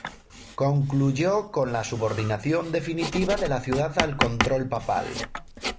Concluyó con la subordinación definitiva de la ciudad al control papal.